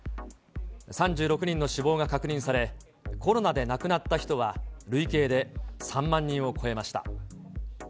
３６人の死亡が確認され、コロナで亡くなった人は、累計で３万人を超えました。